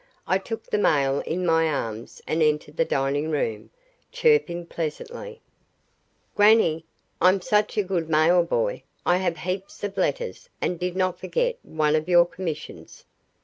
I took the mail in my arms and entered the dining room, chirping pleasantly: "Grannie, I'm such a good mail boy. I have heaps of letters, and did not forget one of your commissions."